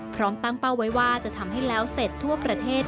พร้อมตั้งเป้าไว้ว่าจะทำให้แล้วเสร็จทั่วประเทศ